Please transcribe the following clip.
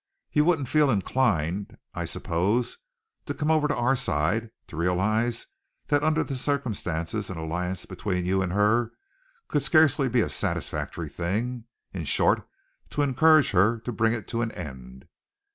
You wouldn't feel inclined, I suppose, to come over to our side, to realize that under the circumstances an alliance between you and her could scarcely be a satisfactory thing, in short, to encourage her to bring it to an end?"